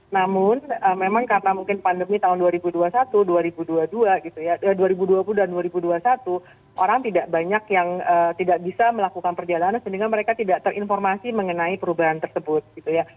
namun memang karena mungkin pandemi tahun dua ribu dua puluh satu dua ribu dua puluh dua gitu ya dua ribu dua puluh dan dua ribu dua puluh satu orang tidak banyak yang tidak bisa melakukan perjalanan sehingga mereka tidak terinformasi mengenai perubahan tersebut gitu ya